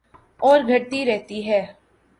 اور گھٹتی رہتی ہے